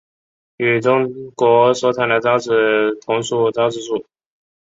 与中国所产的韶子同属韶子属。